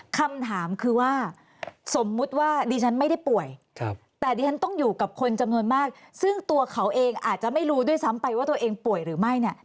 คำถามคือว่าสมมุติว่าดิฉันไม่ได้ป่วยแต่ดิฉันต้องอยู่กับคนจำนวนมากซึ่งตัวเขาเองอาจจะไม่รู้ด้วยซ้ำไปว่าตัวเองป่วยหรือไม่เนี่ย